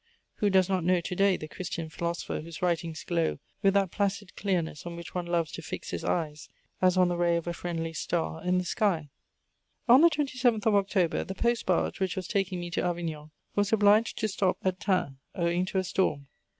Who does not know to day the Christian philosopher whose writings glow with that placid clearness on which one loves to fix his eyes, as on the ray of a friendly star in the sky? On the 27th of October the post barge which was taking me to Avignon was obliged to stop at Tain, owing to a storm.